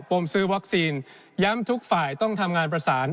มซื้อวัคซีนย้ำทุกฝ่ายต้องทำงานประสาน